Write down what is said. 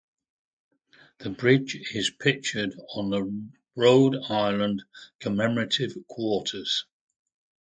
The bridge is pictured on the Rhode Island commemorative quarters.